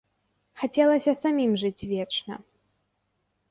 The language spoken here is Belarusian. Хацелася самім жыць вечна.